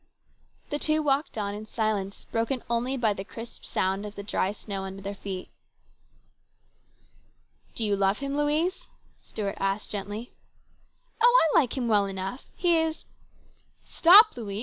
The two walked on in silence, broken only by the crisp sound of the dry snow under their feet. " Do you love him, Louise ?" Stuart asked gently. " Oh, I like him well enough. He is " Stop, Louise